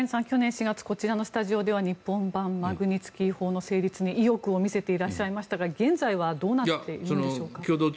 去年４月こちらのスタジオでは日本版マグニツキー法の成立に意欲を見せていらっしゃいましたが現在はどうなっているんでしょう。